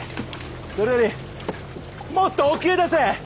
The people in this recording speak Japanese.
それよりもっと沖へ出せ。